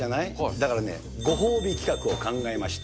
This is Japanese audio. だからね、ご褒美企画を考えました。